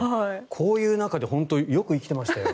こういう中でよく本当に生きてましたよ。